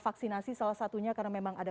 vaksinasi salah satunya karena memang ada